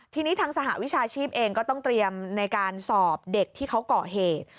ทีนี้ทางสหวิชาชีพเองก็ต้องเตรียมในการสอบเด็กที่เขาก่อเหตุ